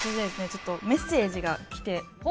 ちょっとメッセージが来て。